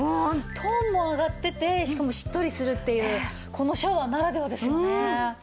トーンも上がっていてしかもしっとりするっていうこのシャワーならではですよね。